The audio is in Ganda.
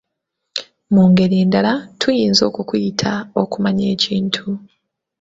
Mu ngeri endala tuyinza okukiyita okumanya ekintu.